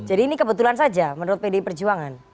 jadi ini kebetulan saja menurut pd perjuangan